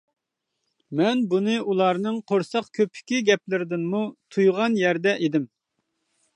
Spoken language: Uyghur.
مەن بۇنى ئۇلارنىڭ قورساق كۆپىكى گەپلىرىدىنمۇ تۇيغان يەردە ئىدىم.